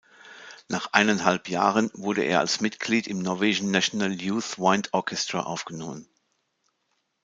Nach eineinhalb Jahren wurde er als Mitglied im „Norwegian National Youth Wind Orchestra“ aufgenommen.